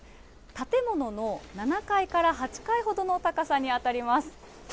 建物の７階から８階ほどの高さに当たります。